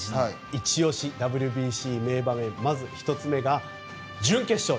イチ押しＷＢＣ名場面１つ目が準決勝